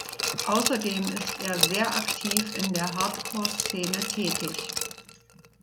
Außerdem ist er sehr aktiv in der Hardcoreszene tätig.